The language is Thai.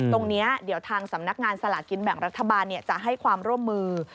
ตรงนี้เดี๋ยวทางสำนักงานสลากินแบ่งรัฐบาลจะให้ความร่วมมือ